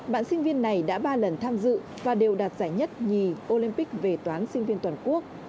bạn sinh viên này đã ba lần tham dự và đều đạt giải nhất nhì olympic về toán sinh viên toàn quốc